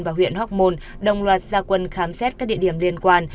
và huyện hóc môn đồng loạt gia quân khám xét các địa điểm liên quan